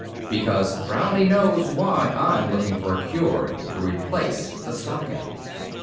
Because Brownlee knows why I'm looking for a cure to replace the stopgap.